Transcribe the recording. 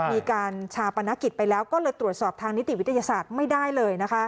มีการชาปนกิจไปแล้วก็เลยตรวจสอบทางนิติวิทยาศาสตร์ไม่ได้เลย